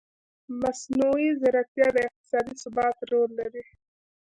مصنوعي ځیرکتیا د اقتصادي ثبات رول لري.